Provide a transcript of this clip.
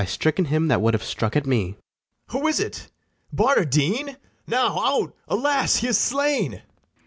Why, stricken him that would have struck at me. BARABAS. Who is it? Barnardine! now, out, alas, he is slain!